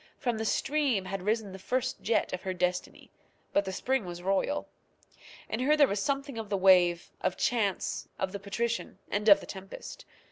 From the stream had risen the first jet of her destiny; but the spring was royal. In her there was something of the wave, of chance, of the patrician, and of the tempest.